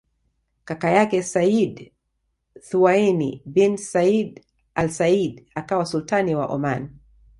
Kaka yake Sayyid Thuwaini bin Said al Said akawa Sultani wa Oman